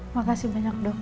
makasih banyak dok